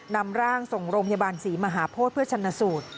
นำร่างส่งโรงพยาบาลศรีมหาโพธิเพื่อชันสูตร